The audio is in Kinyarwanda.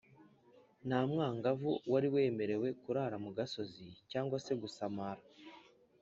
nta mwangavu wari wemerewe kurara mu gasozi cyangwa se gusamara.